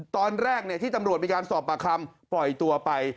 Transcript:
ตอนแรกที่ตำรวจมีการสอบปากคำปล่อยตัวไป